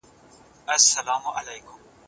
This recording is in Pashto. هر څوک باید د نورو د حقونو احترام وکړي.